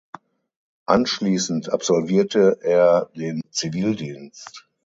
Anschließend absolvierte er den Zivildienst.